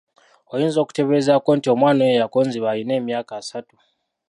Oyinza okutebeerezaako nti omwana oyo eyakonziba alina emyaka asatu.